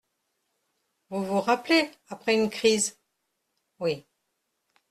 Vous vous rappelez, après une crise ? Oui.